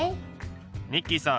ニッキーさん